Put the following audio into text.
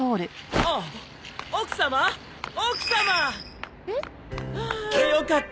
あよかった。